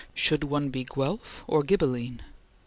Should one be Guelph or Ghibelline?